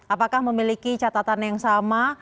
apakah memiliki catatan yang sama